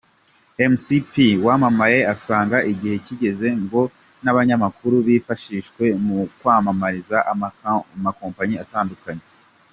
Mc P Wamamaye asanga igihe kigeze ngo n'abanyamakuru bifashishwe mu kwamamariza amakompanyi atandukanye.